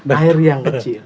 air yang kecil